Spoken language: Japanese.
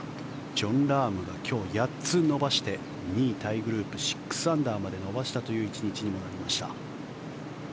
ジョン・ラームが今日８つ伸ばして２位タイグループ６アンダーまで伸ばしたという１日になりました。